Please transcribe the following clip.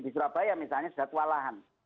di surabaya misalnya sudah kewalahan